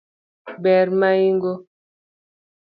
Ber maigo